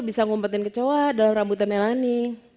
bisa ngumpetin kecoa dalam rambutnya melani